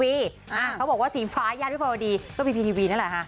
เขาบอกว่าสีฟ้าย่านวิภาวดีก็มีพีทีวีนั่นแหละค่ะ